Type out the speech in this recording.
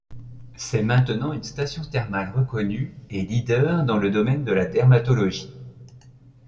C'est maintenant une station thermale reconnue et leader dans le domaine de la dermatologie.